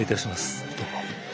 どうも。